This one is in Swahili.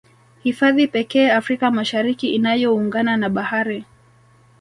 Hifadhi pekee Afrika Mashariki inayoungana na Bahari